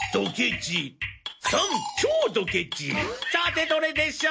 さてどれでしょう？